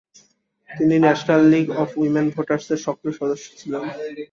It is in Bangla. তিনি national league of women voters এর সক্রিয় সদস্য ছিলেন।